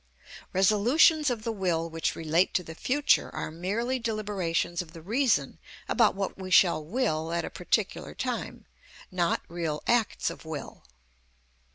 Resolutions of the will which relate to the future are merely deliberations of the reason about what we shall will at a particular time, not real acts of will.